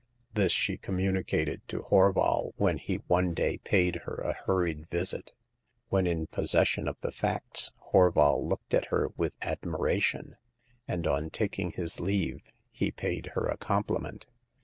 This she communicated to Horval when he one day paid her a hurried visit. When in posses sion of the facts, Horval looked at her with ad miration, and on taking his leave he paid her a compliment.